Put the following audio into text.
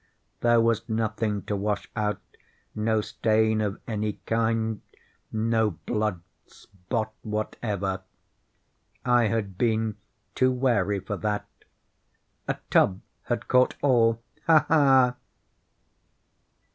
There was nothing to wash out—no stain of any kind—no blood spot whatever. I had been too wary for that. A tub had caught all—ha! ha!